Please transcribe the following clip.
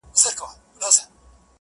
تسبیحات ووایه